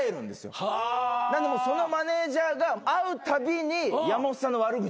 そのマネジャーが会うたびに山本さんの悪口。